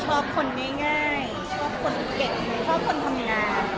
ชอบคนง่ายชอบคนเก่ง